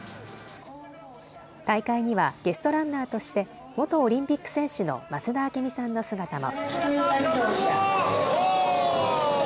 大会にはゲストランナーとして元オリンピック選手の増田明美さんの姿も。